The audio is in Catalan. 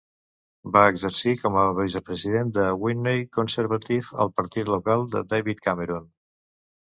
Va exercir com a vicepresident de Witney Conservative, el partit local de David Cameron.